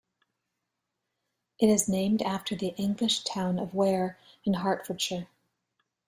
It is named after the English town of Ware in Hertfordshire.